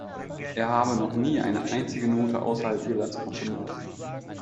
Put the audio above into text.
Er habe noch nie eine einzige Note außerhalb Irlands komponiert.